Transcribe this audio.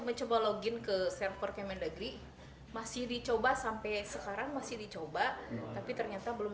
mencoba login ke server kemendagri masih dicoba sampai sekarang masih dicoba tapi ternyata belum